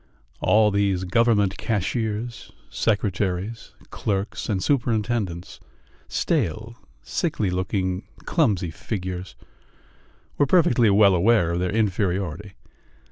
All these government cashiers, secretaries, clerks, and superintendents stale, sickly looking, clumsy figures were perfectly well aware of their inferiority.